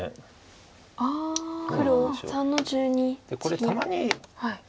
これたまに。